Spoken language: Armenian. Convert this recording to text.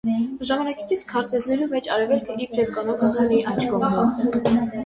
Ժամանակակից քարտէսներուն մէջ արեւելքը իբրեւ կանոն կը գտնուի աջ կողմը։